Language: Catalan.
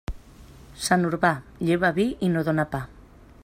Sant Urbà, lleva vi i no dóna pa.